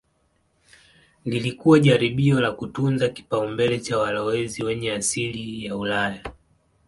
Lilikuwa jaribio la kutunza kipaumbele cha walowezi wenye asili ya Ulaya.